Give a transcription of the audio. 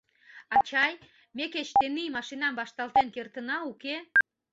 Ачай, ме кеч тений машинам вашталтен кертына, уке?